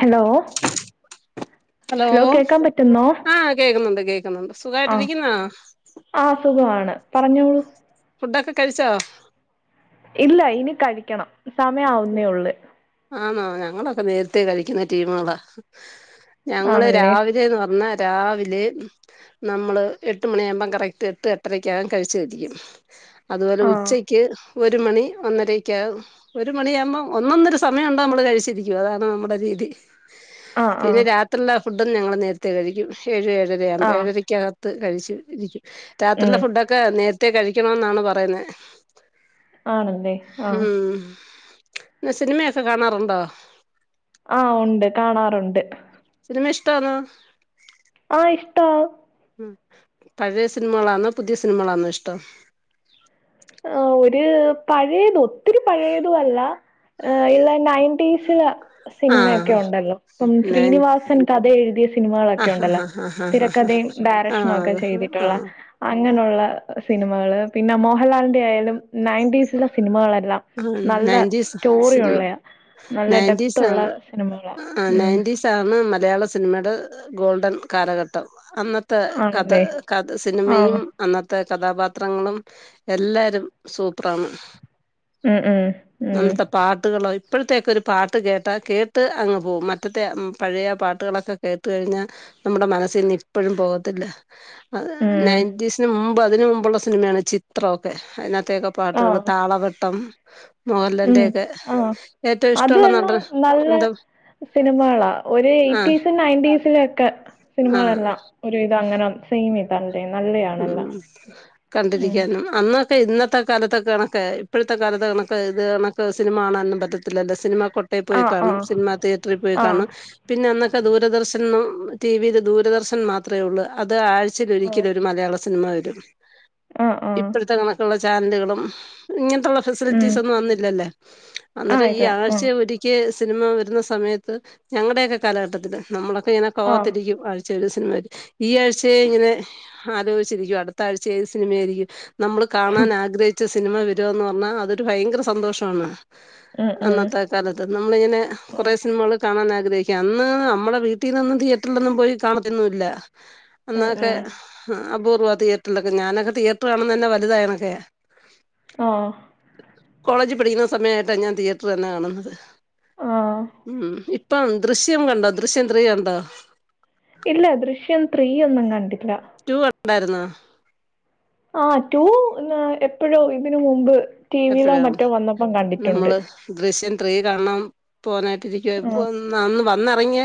Hello hello കേക്കാൻ പറ്റുന്നോ ആ കേക്കുന്നുണ്ട് കേക്കുന്നുണ്ട് ആഹ് സുഖായിട്ടിരിക്കുന്ന ആഹ് സുഖമാണ് പറഞ്ഞോളൂ ഫുഡൊക്കെ കഴിച്ചോ ഇല്ല ഇനി കഴിക്കണം സമയവുന്നേ ഉള്ള് പ്പ നേര്ത്തെ കഴിക്കുന്ന ടീമുകളാ ഞങ്ങള് ആണല്ലേ രാവിലെന്ന് പർഞ്ഞ രാവിലെ നമ്മള് എട്ട് അതുപോലെ ആഹ് ഉച്ചക്ക് ഒരു മണി ഒന്നരയ്ക്കകും ഒരു ഒരു മണിയാകുമ്പോ ഒന്നൊന്നൊരു സമയമ ഉണ്ടോ നമ്മൾ കഴിച്ചിരിക്കും അതാണ് നമ്മുടെ രീതി ആഹ് പിന്നെ ആഹ് രാത്രില് അ ഫുഡും ഞങ്ങള് നേരത്തെ കഴിക്കും ഴ് ഏഴരയാഉമ്പോ ആഹ് ഏഴരക്കാ ത്ത് കഴിച്ചു ഇരിക്കും രാത്രിയിലെ ഉം ഫുഡൊക്കെ നേരത്തെ കഴി ക്ക്യണംന്നാണ് പറയുന്നേ ആണല്ലേ ആഹ് ന്ന സിൻമയൊക്കെ കാണാറുണ്ടോ? ആഹ് ഉണ്ട് കാണാറുണ്ട് ന്ന്നെ ഇഷ്ട്ടാന്നോ ആഹ് ഇഷ്ടോ പഴയ സിനിമകളാന്നോ പുതിയ സിനിമകളാന്നോ ഇഷ്ടം? ആ ഒരു പഴയത് ഒത്തിരി പഴയതു അല്ല ഏ ഇല്ല നയൻറ്റിസില് സിനിമേക്കെ ആഹ് ഉണ്ടല്ലോ ഇപ്പം നയൻ ശ്രീനിവാസൻ കഥ എഴുതിയ സിനിമകളൊക്കെ ആഹ് ഉണ്ടല്ലോ ആഹ് ആഹ് തിരക്കഥയും ആഹ് ആഹ് ഡയറക്ഷനും ഒക്കെ ആഹ് ആഹ് ചെയ്തിട്ടുള്ള ആഹ് അങ്ങനുള്ള സിനിമകള് പിന്നെ മോ ഹൽലാലിനന്റെ ഏയാലും നയൻറ്റീസിലെ സിനിമകളല്ലാം ആഹ് നല്ല നയൻറ്റീസ് സ്റ്റോറി സിനിമ ഉള്ളയ നല്ല ഡെപ്ത്തുള്ള നയൻറ്റീസാണ് സിനിമകളാ ആഹ് ഉം നയൻറ്റീസാണ് മലയാള സിനിമയുടെ ഗോൾഡൻ കാലഘട്ടം. അന്നത്തെ കഥ ആണല്ലേ കഥ സിനിമയും ആഹ് അന്നത്തെ കഥാപാത്രങ്ങളും എല്ലാരും സൂ പ്രാണ്. ഉം ഉം ഉം ഇപ്പോഴത്തേക്കൊരു പാട്ട് കേട്ടാ കേട്ട് അങ്ങ് പോവും മറ്റത്തെ പഴയേ പാട്ടുകളൊക്കെ കേട്ട് കഴിഞ്ഞാ നമ്മുടെ മനസ്സിന്ന് ഇപ്പോഴും പോകത്തില്ല. ആഹ് ഉം നയൻ്റീസിന് മു മ്പും അതിന് മുമ്പുള്ള സിനിമയാണ് ചിത്രൊക്കെ അയിനകത്തേ പാട്ടുകൾ താളവട്ടം. ഉ മോഹൻലാലിൻ്റെയൊക്കെ ആഹ് ഏറ്റവും ഇഷ്ടമുള്ള അതെല്ലാം നടൻ നല്ല എന്താ സിനിമകളാ ഒരു ആ എയ്റ്റീസ് നയൻ്റീസിലൊക്കെ ആ സിനിമകളല്ലാം ഒരുവിത അങ്ങനെ സിനിമയാ ഉം ഉം കണ്ടിരിക്കാനും അന്ന് പ്പെ ഇന്നത്തെ കാലത്തൊക്കെ കണക്കെ ഇപ്പഴത്തെ കാലത്ത് കണക്ക് ഇത് കണക്ക് സിനിമ കാണാനും പറ്റത്തില്ലല്ലോ സിനിമ കൊട്ടേ പോയി ആഹ് കാണും ആഹ് സിനിമാ തിയേറ്ററി പോയി ആഹ് കാണും പിന്നെ അന്ന് ക്കെ ദൂരദർശൻ ന്നോ ടി വി ല് ദൂരദർശൻ മാത്രേ ഒള്ളൂ അ ത് ആഹ് ആഴ്ചയിലൊരിക്കെലൊ സിനിമ വരും ആഹ് ആഹ് ഇപ്പഴത്തെ കണക്കുള്ള ചാന്തുകളും ഇങ്ങന [unintelligible] ഉം ഫെസിലിറ്റീസ് ഒന്നും അന്നില്ലല്ലേ ആഹ് അന്നേരം ഈ ഇതാ ഉം ആഴ്ച്ചേ ഒരിക്കെ സിനിമ വരുന്ന സമയത്ത് ഞങ്ങടേക്കെ കാലഘട്ടത്തില് നമ്മളക്ക ഇങ്ങനെ ആഹ് കാത്തിരിക്കും ചെല സിന്മേരും ഈ ആഴ്ചേ ഇങ്ങനെ ആലോചിച്ചിരിക്കും അടുത്ത ആഴ്ച ഏത് സിനിമ ആയിരിക്കും, നമ്മള് കാണാൻ ആഗ്രഹിച്ച സിനിമ വെര്വാന്ന് പറഞ്ഞാ അതൊരു ഭയങ്കര സന്തോഷമാണ് ഉം ഉം അന്നത്തെ കാലത്ത് നമ്മളിങ്ങനെ ഉം കുറേ സിനിമകൾ കാണാൻ ആഗ്രഹിക്ക അന്ന് നമ്മുടെ വീട്ടിന്നൊന്നും തിയേറ്ററിലൊന്നും പോയി കാണതോന്നൂല്ല. ഉം അന്നൊക്കെ ഉം അപൂർവ്വം തിയേറ്ററിലൊക്കെ ഞാനൊക്കെ തിയേറ്റർ കാണ്ന്ന തന്നെ വലുതായനക്കെയാ. ആഹ് കോളേജീ പഠിക്കുന്ന സമയായിട്ടാ ഞാൻ തിയേറ്റർ തന്നെ കാണുന്നത്. ആഹ് ഉം ഇപ്പം ദൃശ്യം കണ്ടോ ദൃശ്യം ത്രീ കണ്ടോ? ഇല്ല ദൃശ്യം ത്രീ ഒന്നും കണ്ടില്ല. ടു കണ്ടായിരുന്നോ ആ റ്റു ന്നാ എപ്പോഴോ ഇതിന് മുമ്പ് ടി വിയിലോ എപ്പോഴാണ് മറ്റോ വന്നപ്പം കണ്ടിട്ടുണ്ട് നമ്മള് ദൃശ്യം ത്രീ കാണാം ആഹ് പോവാനായിട്ടിരിക്കുവാര്ന്നു അന്ന് വ ന്നറങ്ങിയെ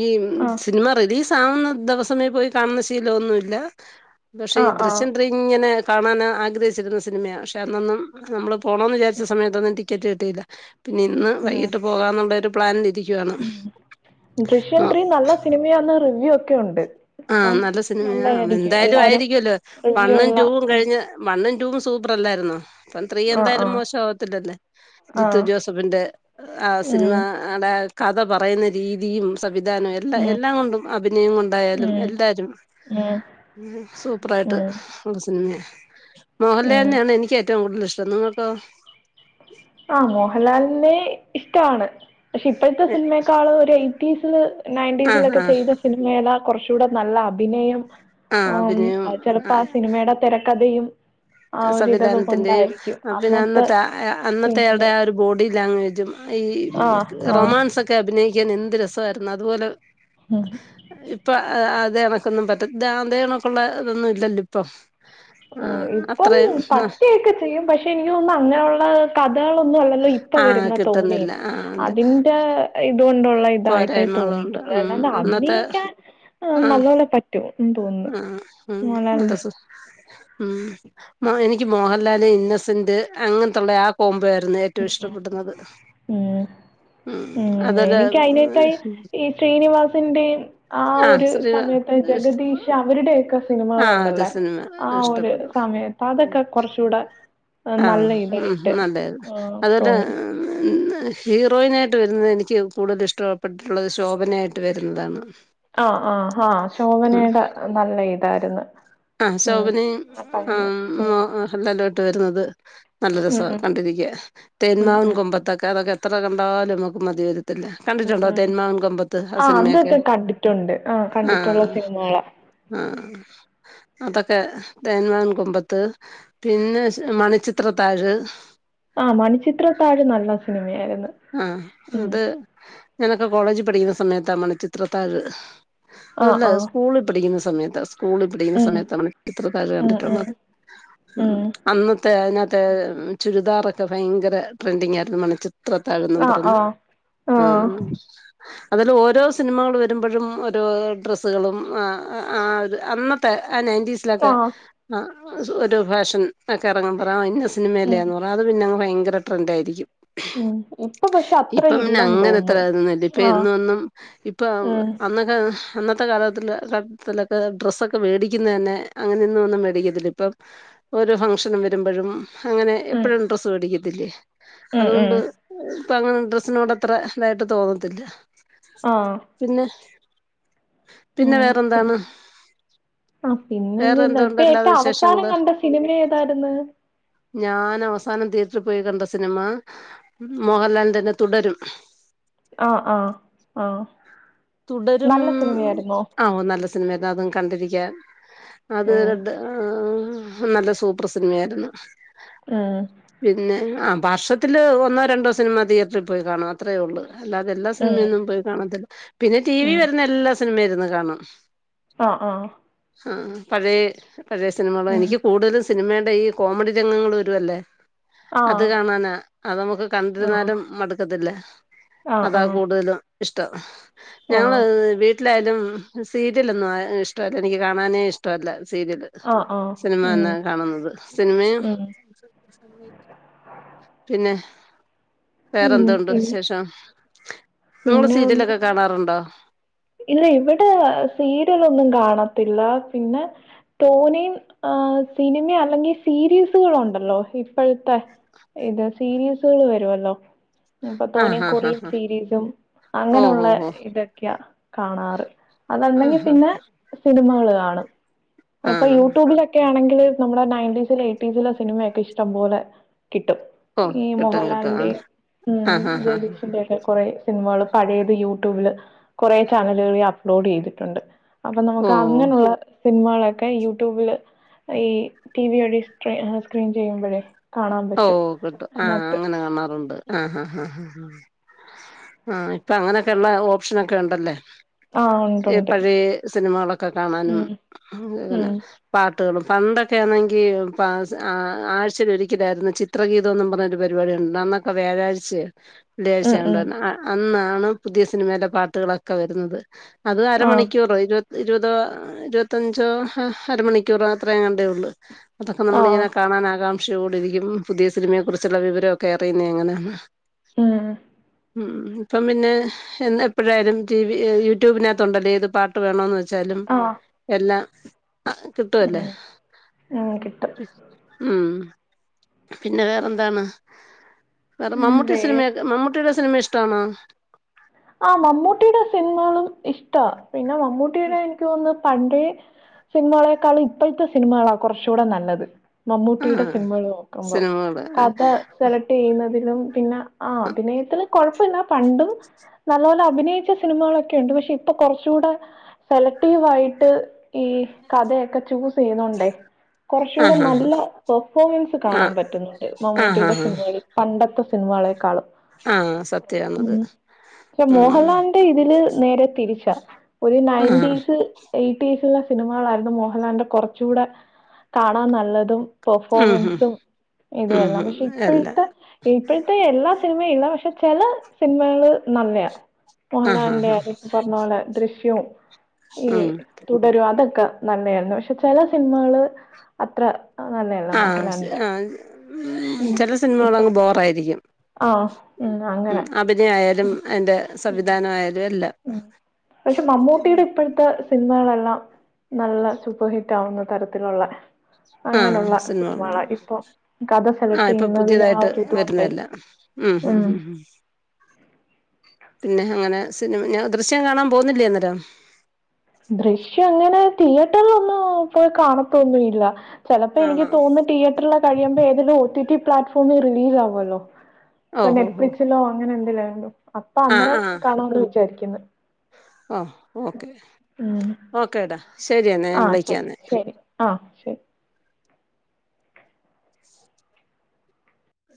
ഈ ആഹ് സിനിമ റിലീസ് ആവുന്ന ദിവസമേ പോയി കാണുന്ന ശീലൊന്നുല്ല പക്ഷെ ഈ ആഹ് ആഹ് ദൃശ്യത്രീ ഇങ്ങനെ കാണാൻ ആഗ്രഹിച്ചിരുന്ന സിനിമയാ പക്ഷേ അന്നോന്നും നമ്മള് പോണൊന്ന് വിചാച്ച സമയതോന്നു ട്ടി ടിക്കറ്റ് കിട്ടിയില്ല പിന്നെ ഇന്ന് വൈകിട്ട് പോകാ ന്നുള്ളൊരു പ്ലാൻലിരി ഉം ദൃശ്യം ത്രീ നല്ല സിനിമയാന്ന് റിവ്യൂ ഒക്കെ ഉണ്ട്. ആ അപ്പം നല്ല സിനിമയാ നല്ലയായിരിക്കും എന്തായാലും എല്ലാരും ആയിരികുവല്ലോ റിവ്യൂ വണ്ണും എല്ലാം റ്റുവും ഉം കഴിഞ്ഞ് വണ്ണും റ്റു വും സൂപ്പറല്ലായിരുന്നോ അപ്പം ത്രീ ആഹ് എന്തായാലും ആഹ് മോശ ആവത്തില്ലല്ലേ ജിത്തു ആഹ് ജോസഫിന്റെ ആ ഉം സിനിമാടെ കഥ പറയുന്ന രീതിയും. സവിധാനം എല്ലാം ഉം എല്ലാം കൊണ്ടും അഭിനയം കൊണ്ടായാലും ഉം എല്ലാരും ഉം സൂപ്പറായിട്ട് ഉം ഒര് സിൻമയാ. ഉം മോഹൻലാൽനെയാണ് എനിക്കേ റ്റവും കൂടുതല് ഷ്ടം നിങ്ങക്കോ? ആഹ് മോഹൻലാലിനെ ഇഷ്ടാണ് പക്ഷെ ഇപ്പോഴത്തെ സിനിമേക്കാളും ഒര [unintelligible] നയന്റി സ് ആഹ് ആഹ് ലൊക്കെ ചെയ്ത സിനിമേലൊ കുറച്ചുടെ നല്ല അഭിനയം ആഹ് ഓം അഹ് അഭിനയം ചെലപ്പോ ആ സിനിമയുടെ തെര കഥയും സംവിധാനത്തിന്റെയും അ പിന്നെ അന്നത്തെ അ എ അന്നത് തെഎൾടെ സിനിമയില് ആ ഒരു ബോഡി ലാംഗ്വേജും ഈ ആഹ് ആഹ് റൊമാൻസ് ഒക്കെ അഭിനയി പിക്കാൻ എന്ത് രസയിരുന്നു അതുപോലെ ഇപ്പൊ അ അത് തെനക്കൊന്നും പറ്റ ഇത അതേ കണക്കുള്ള ഇതൊന്ന ഇല്ലോ ഇപ്പൊ ആ അപ് പ്പം പറ്റിയൊക്കെ ചെയ്യും പക്ഷെ എനിക്ക് തോന്നുന്നു അങ്ങനെയുള്ള കഥകളൊന്നും അല്ലല്ലോ ഇപ്പ ആ വരുന്ന തോനേം. കിട്ടുന്നില്ല ആ അല്ല അതിന്റെ ഇതുകൊണ്ടുള് തായിട്ടായിട്ടേ പോരായ്മകളുണ്ട് തോന്നിയിട്ടുള്ളൂ ഉം അല്ലാണ്ട് അന്നത്തെ അഭിനയിക്കാൻ ആ നല്ലോലെ പറ്റൂഉം തോന്ന മോൽലാൽനെ മലാലെ ഉംമാ എനിക്ക് മോഹൻലാല് ഇന്നസെന്റ് അങ്ങൻത്തുള്ള ആ കൊമ്പോയാ രുന്നു ഏറ്റവും ഇഷ്ടപ്പെടുന്നത് ഉം ഉം എനിക്ക് അയിന് ക്ക ഈ ഈ ശ്രീനിവാസന്റെയും ആ ഒരു സമയത്ത് ജഗദീഷ് അവരുടെയൊക്കെ ആഹ് ഒരു സിനിമകളുണ്ടല്ലേ സിനിമ ആ ഒരു ഇഷ്ടപ്പെടും സമയത്ത് അതൊക്കെ കുറചൂടെ ആഹ് ഉം ഉം അതെ ആഹ് അവര്ടെ തോന്നി [unintelligible] ഹെ ഹീറോയിനായിട്ട് വരുന്നത് എനിക്ക് കൂടുതലും ഇഷ്ടപ്പെട്ടിട്ടുള്ളത് ശോഭനയായിട്ട് വരുന്നതാണ് ആആഹ് ഹാ ശോഭനയുടെ നല്ല ഇത് തായിരുന്നു അ ശോഭനേ ആ മോഹൻലാലു ആയ് ട്ട് വരുന്നത് നല്ല ഉം രസവാ ഉം കണ്ടിരിക്കാൻ ഉം തേന്മാവിൻ ഉം കൊമ്പത്ത് അഒക്കെ എത്ര കണ്ടാാലും നമുക്ക് മതി വരി ത്തില്ല ഉം കണ്ടിട്ടുണ്ടോ ഉം ഉം തേന്മാവൻ കൊമ്പത്ത് ആ ആഹ് സിനിമയൊക്കെ അതൊക്കെ കണ്ടിട്ടുണ്ട് ആഹ് അ കണ്ടിട്ടുള്ള സിനിമകളാ ആ ആ അതൊക്കെ തേന്മാവിൻ കൊമ്പത്ത് പിന്നെ മണിച്ചിത്രത്താഴ് ആ മണിചിത്രത്താഴ് നല്ല സിനിമയായിര് ആഹ് അത് ഞാനൊക്കെ കോളേജ് പഠിക്ക്ന്ന സമയത്താ മണിച്ചിത്രത്താഴ് ആഹ് അതല്ല ആഹ് സ്കൂളിൽ പഠിക്ക്ന്ന സമ സമയത്താ സ്കൂളി പഠിക്ക്ന്ന ഉം സമയത്താ മണിച്ചിത്രത്താഴ് ഉം ഉം കണ്ടിട്ടുള്ളത്. ഉം അന്നത്തെ അയിന മ് ചുരിദാറൊക്കെ ഭയങ്കര ട്രെൻഡിങ് ആയ്രുന്നു മണിചി ത്രത്താഴെന്നും ആഹ് പറഞ്ഞ് ആഹ് അഹ് ആഹ്. അതിൽ ഓരോ സിനിമകള് വര് മ്പഴും ഓരോ ഡ്രെസ്സ്കളും ആ ആ ഒര് അന്നത്തെ അ നയൻ്റീസിലൊക്കെ ആഹ് അ ഒരു ഫാഷൻ ഒക്കെ ഇറങ്ങുമ്പറ ഇന്ന ഉം സിനമല്ലേന്ന്പറ അത് പിന്നെ ഭയ ങ്കര ട്രെൻഡായിരിക്കും ഉം ഇപ്പൊ പക്ഷെ അത്ര ഇപ്പ പിന്നെ ഇല്ലെന്ന് അങ്ങനെ തോന്നുന്നു എത്രായിന്ന ഇപ്പൊ ആഹ് എന്നും എന്നും ഇപ്പൊ ഉം അന്നൊക്കെ അന്നത്തെ കാലത്തി കാലത്തിലൊക്കെ ഡ്രസ്സൊക്കെ മേടിക്കുന്നന്നെ അങ്ങനെയൊന്നും ഒന്നും മേടിക്കത്തില്ല ഇപ്പം ഓരോ ഫംഗ്ഷനും വരുമ്പോഴും അങ്ങനെ ഉം എപ്പോഴും ഡ്രസ്സ് മേടിക്കും ഉം അതുകൊണ്ട് ഉം ഇപ്പ അങ്ങനെ ഡ്രസ്സിനോട് അത്ര ഇതായിട്ട് തോന്നത്തില്ല. ആഹ് പിന്നെ പിന്നെ ഉം പി വേറെന്താണ് ആ വേറെ പിന്നൊന്നും ഇല്ലാ ഇപ്പ എന്തുണ്ട് അല്ലാതെ ഏറ്റവും അവസാനം വിശേഷങ്ങള് കണ്ട സിനിമ ഏതായിരുന്ന് ഞാൻ അവസാനം തിയറ്ററിൽ പോയി കണ്ട സിനിമ മോഹൻലാൽൻ്റെന്നെ തുടരും ആഹ് ആഹ് ആഹ് തുടരും നല്ല സിനിമയായിരുന്നോ ആ നല്ല സിനിമ ആണ് അതും കണ്ടിരിക് ക്കാൻ അത് ഉം ആ നല്ല സൂപ്പർ സിനിമയായിരുന്നു. ഉം പിന്നെ ആ വർഷത്തില് ഒന്നോ രണ്ടോ സിനിമ തിയറ്ററിൽ പോയി കാണും അത്രേ ഒള്ളൂ അല്ലാതെല്ലാ ഉം സിനിമയൊന്നും പോയി കാണത്തില്ല പിന്നെ ടി വി ഉം വരുന്ന എല്ലാം സിനിമ ഇരുന്ന് കാണും ആഹ് ആഹ് ആഹ് പഴയ പഴയ സിനിമകള ഉം എനിക് കൂടുതലും സിനിമയുടെ ഈ കോമഡി രംഗങ്ങൾ വരുവല്ലേ അത് ആഹ് കാണാനാ അത് നമുക്ക് ആഹ് കണ്ടിരുന്നാലും മടുക്കത്തില്ല ആഹ് അതാ ആഹ് കൂടുതലും ഇഷ്ടം ഞാൻ വെ ആഹ് വീ ട്ട് ലായാലും സീരിലൊന്നും ഇഷ്ട്ടോല്ല എനിക്ക് കാണാനേ ഇഷ്ട്ടോല്ല സീരിയല് ആഹ് ആഹ് സിനിമ ഉം തന്നാണ് കാണുന്നത് സിനിമയും ഉം പിന്നെ ഉം വേറെന്തുണ്ട് പിന്നെ വിശേഷം? പിന്നെ ഒന്ന് തുണ്ടോ ഇല്ല ഇവിടെ സീരിയലൊന്നും കാണത്തില്ല പിന്നെ തോനിം ആ സിനിമ അല്ലെങ്കിൽ സീരീസുകളു ണ്ടല്ലോ ഇപ്പഴത്തെ ഇത് സീരീസുകൾ വരോല്ലോ ഇപ്പൊ ആഹ് തോനി ഹാ ഹാ കൊറിയൻ ഹാ സീരീസും ഓഹ് അങ്ങനെയുള്ള ഹോ ഹോ ഇതൊക്കെയാ ണാറ് ആഹ് അതല്ലെങ്ങി ഹാ പിന്നെ സിനിമ അത്കാണും ഇപ്പൊ ആഹ് യൂട്യൂബിലൊക്കെ ആണെ ല് നമ്മുടെ നയന്റ്റീസിൽ എയ്റ്റീസിലോ സിനിമയൊക്കെ ഇഷ്ടം പോലെ കിട്ടും ഓഹ് ഈ കിട്ടും കിട്ടും മോഹൻലാലിന്റെ ആഹ് മ് ആഹ് ഹാ ഹാ ജഗദീഷിന്റെ ഒക്കെ കൊറേ സിനിമകള് പഴയത് യൂട്യൂബില് കൊറെ ചാനലുകളിൽ അപ്ലോഡ് ചെയ്തിട്ടുണ്ട് അപ്പൊ നമുക്ക് ഓഹ് അങ്ങനുള്ള സിനമളെ ക്കെ യൂട്യൂബില് ഈ ടി വിടി സ്ക്രീൻ ചെയ്യുമ്പഴേ കാണാൻ ഓ പറ്റും. കിട്ടും ആ അതിനകത്ത് അങ്ങനെ കാണാറുണ്ട് ആ ഹാ ഹ ഹ ഹ ആ ഇപ്പൊ അങ്ങനെയൊക്കെള്ള ഓപ്ഷനൊക്കെ ഉണ്ടല്ലേ ആഹ് ഈ ഉണ്ടുണ്ട്. പഴയെ സിനിമകളൊക്കെ കാണാനും ഉം പിന്നെ ഉം പാ പട്ടുകളും പണ്ടോക്കെ ആണെങ്കി പ ആഴ്ചലൊരി ക്ക് തായിരുന്നു ചിത്രഗീതം എന്നു പറഞ്ഞൊരു പരിപാടി ഉണ്ടർന്നു അന്നൊക്കെ വ്യാഴാഴ്ചയാ ള്ളിയായ്ച്ച ഉം ഉം ആണ്ടര്ന്ന അന്നാ ആണ് പുതിയ സിനിമയിലെ പാട്ടുകളൊക്കെ വരുന്നത് അത് ആഹ് അരമണിക്കൂറോ ഇരു ഇരുപതോ ഇരുപത്തഞ്ചോ ഹ ഹ അര മണിക്കൂറേ അത്രേങ്ങണ്ടേ ഉള്ളൂ അതൊക്കെ ആഹ് നമ്മളിങ്ങനെ കാണാനാകാം കുടിരിക്കും പുതിയ സിനിമയെ കുറിച്ചുള്ള വിവരമൊക്കെ അറിയുന്നന് അങ്ങനെ ഉം ഉ ഇപ്പം പിന്നെ എ എപ്പോഴായാലും ടി വി യൂട്യൂബിനകത്തുണ്ടല്ലേ ഏത് പാട്ട് വേണോന്ന് വച്ചാലും ആഹ് എല്ലാം ആഹ് കിട്ടുവല്ലേ ഉം ഉം കിട്ടും. ഉം പിന്നെ വേറെന്താണ് വേറെ ഉം മമ്മുട്ടി വേറെ സിനിമൊക്കെ മമ്മൂട്ടിടെ സിനിമ ഇഷ്ട്ടാണോ ആ മമ്മൂട്ടിയുടെ സിനിമകളും ഇഷ്ടാ പിന്നെ മമ്മൂട്ടി ടെ എനിക്ക് തോന്ന് പണ്ടേ സിനിമളെക്കാളും ഇപ്പൾത്തെ സിനിമകളാ കുറച്ചൂടെ നല്ലത് ആ മമ്മൂട്ടി ടെ സിനിമള് നോക്കുമ്പോ സിനിമകള് കഥ സെലക്ട് ചെയ്യുന്നതിലും പിന്നെ ആ അഭിനയത്തില് കൊഴപ്പില്ല പണ്ടും നല്ലപോലെ അഭിനയിച്ച സിനിമകളൊക്കെ ഉണ്ട് പക്ഷെ ഇപ്പൊ കുറച്ചൂടെ സെലക്റ്റീവ് ആയിട്ട് ഈ കഥയൊക്കെ ചൂസ് ചെയ്യുന്നുണ്ടേ ആ കുറച്ചുകൂടെ നല്ല പെർഫോമൻസ് ആ കാണാൻ പറ്റുന്നുണ്ട് ആ ആ മമ്മൂട്ടിയുടെ സിനിമകളിൽ പണ്ടത്തെ സിനിമളെക്കാളും ആഹ് സത്യാന്നത് മോഹൽലാലിന്റെ ഇതി തിൽ നേരെ തിരിച്ചാ ഒരു ആ നയന്റീസ് എയ് എയ്റ്റീസിലെ സിനിമകളായിരുന്നു മോഹലാലിന്റെ കുറച്ചൂടെ കാണാൻ നല്ലതും ഉം ഹും പെർഫോമൻസും ഉം ഇതുംമെല്ലാം ഹും പക്ഷെ എല്ലാം ഇപ്പൊഴ്ത്തെ ഇപ്പൊഴ്ത്തെ എല്ലാ സിനിമില്ല പക്ഷെ ചെല സിനിമള് നന്ന ആ ആ മോഹൽലാലിന്റെ ആ ഈ പറഞ്ഞോലെ ദൃശ്യം യോ ഏ ഉം തുടരും അതൊ ക്ക നല്ല ആയിരുന്നു പക്ഷെ ചെല സിനിമകള് അത്ര നല്ലയല്ല ആ മോഹൻലാലിന്റെ ആ ഉം ചെല സിനിമകള് ഇപ്പ അങ്ങ് ബോറായിരിക്കും ആഹ് ഉം മ് അങ്ങനെ അഭിനയം ആയാലും അയിന്റെ സംവിധാനം ആയാലും എല്ലാം സിനിമളെല്ലാം നല്ല സൂപ്പർ ഹിറ്റ് ആവുന്നു തരത്തിലുള്ള ആഹ അങ്ങനെയുള്ള സിനിമ സിനിമകളാ. [unintelligible] ഇപ്പൊ കഥ ആ സെലക്ട് ഇപ്പൊ ചെയ്യുന്നതില് ആ പുതിയതായിട്ട് ഒരിതുകൊണ്ടേ വരുന്നതല്ലാം മ്ം മ്മ്. മ്ം മ്ം പിന്നെ അങ്ങനെ സിനിമ ഞാൻ ദൃശ്യം കാണാൻ പോവുന്നില്ലേ അന്നെരം ദൃശ്യം അങ്ങനെ തിയേറ്ററിലൊന്നും പോയി കാണത്തൊന്നും ഇല്ല ചെലപ്പോ ആണോ എനിക്ക് തോന്ന് തിയേ ട്രറിലെ കഴിയുമ്പോ പിന്നെ ഓടിടി പ്ലാറ്റ്ഫോമില് റിലീസ് ആവല്ലോ ഓ ഇപ്പോൾ ഓ ഓ നെറ്റ്ഫ്ലിക്സിലോ അങ്ങനെ എ ല്ലാണ്ടോ അപ്പം ആഹ് അന്നെരം ആഹ് കാണാന്ന് വിചാരിക്ക്ന്ന് ഹാ ഓക്കെ ഓക്കേടാ ശരിയെന്ന ഞാൻ വിളിക്കയന്നെ ശെരി